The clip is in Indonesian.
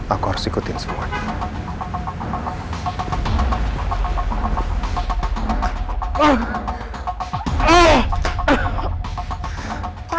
aku harus ikutin semuanya